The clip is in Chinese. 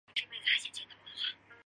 劳动对象包括两大类。